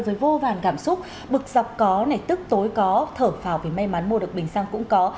với vô vàn cảm xúc bực dọc có này tức tối có thở phào vì may mắn mua được bình xăng cũng có